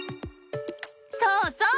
そうそう！